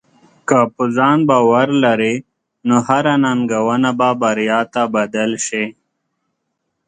که په ځان باور لرې، نو هره ننګونه به بریا ته بدل شې.